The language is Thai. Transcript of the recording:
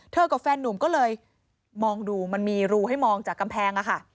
กับแฟนนุ่มก็เลยมองดูมันมีรูให้มองจากกำแพงอะค่ะ